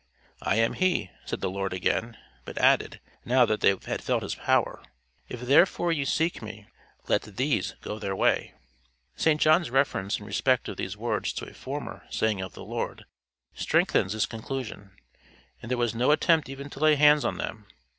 "I am he," said the Lord again, but added, now that they had felt his power "If therefore ye seek me, let these go their way." St John's reference in respect of these words to a former saying of the Lord, strengthens this conclusion. And there was no attempt even to lay hands on them.